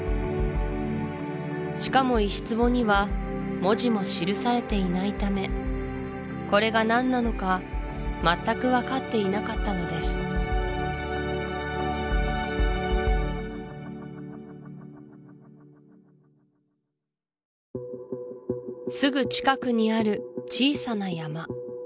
しかも石壺には文字も記されていないためこれが何なのか全く分かっていなかったのですすぐ近くにある小さな山